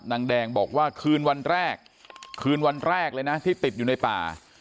นางแดงบอกว่าคืนวันแรกคืนวันแรกเลยนะที่ติดอยู่ในป่า